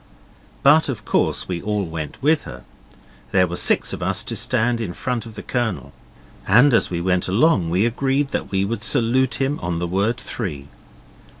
But of course we all went with her. So there were six of us to stand in front of the Colonel. And as we went along we agreed that we would salute him on the word three.